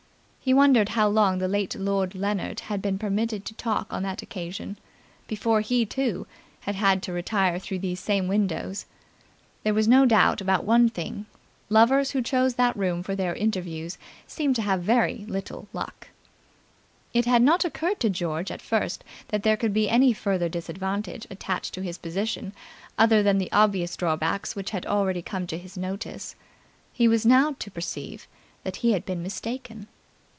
He wondered how long the late Lord Leonard had been permitted to talk on that occasion before he, too, had had to retire through these same windows. There was no doubt about one thing. Lovers who chose that room for their interviews seemed to have very little luck. It had not occurred to George at first that there could be any further disadvantage attached to his position other than the obvious drawbacks which had already come to his notice. He was now to perceive that he had been mistaken.